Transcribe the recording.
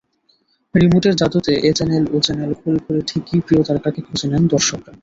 রিমোটের জাদুতে এ-চ্যানেল ও-চ্যানেল ঘুরে ঘুরে ঠিকই প্রিয় তারকাকে খুঁজে নেন দর্শকরা।